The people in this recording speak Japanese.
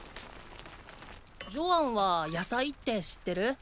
ジョアンはヤサイって知ってる？